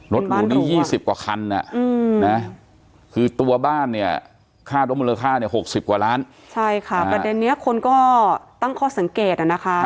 รถหรูด้วย๒๐กว่าคันตัวบ้านคุณก็ตั้งข้อสังเกต